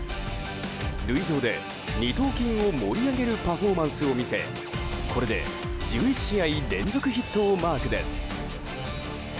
塁上で二頭筋を盛り上げるパフォーマンスを見せこれで１１試合連続ヒットをマークです。